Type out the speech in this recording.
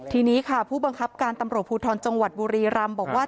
ทีนี้ค่ะผู้บังคับการตำรวจภูทรจังหวัดบุรีรำบอกว่า